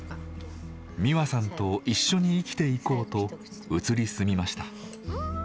実和さんと一緒に生きていこうと移り住みました。